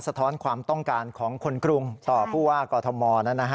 ท้อนความต้องการของคนกรุงต่อผู้ว่ากอทม